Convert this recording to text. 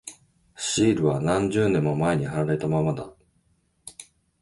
シールは何十年も前に貼られたままだ。